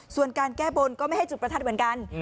ส่วนการแก้บนก็ไม่ให้จุดประทัดเหมือนกัน